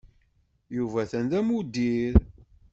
Yuba atan d amuddir?